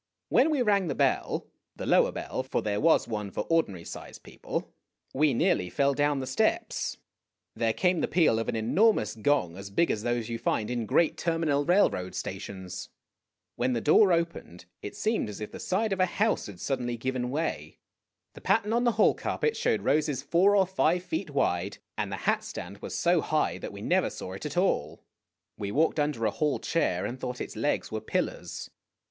When we rang the bell, the lower bell, for there was one for ordinary sized people, we nearly fell down the steps. There came the peal of an enormous gong as big as those you find in great terminal railroad stations. When the door opened, it WE CALL UPON THE MEGALOPODS. seemed as if the side of a house had suddenly given way. The pattern on the hall carpet showed roses four or five feet wide, and the hat stand was so hiofh that we never saw it at all. We walked O under a hall chair, and thought its legs were pillars.